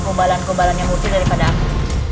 gombalan gombalannya murthy daripada aku